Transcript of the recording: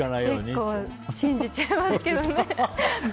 結構、信じちゃいますね。